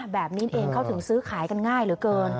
แบบนี้เองเขาถึงซื้อขายกันง่ายเหลือเกิน